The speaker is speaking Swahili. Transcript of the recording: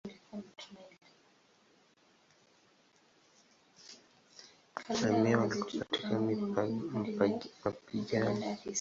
Mamia waliuawa katika mapigano.